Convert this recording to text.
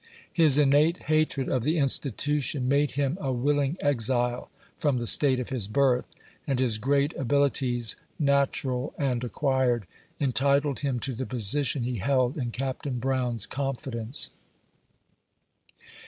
His innate hatred of the institution made him a willing exile from the State of his birth, and his great abil ities, natural and acquired, entitled him to the position he held in Capt. Brown's confidence.